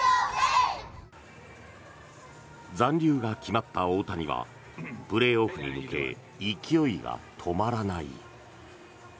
残留が決まった大谷はプレーオフに向け勢いが止まらない。